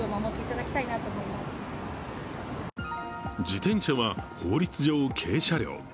自転車は法律上、軽車両。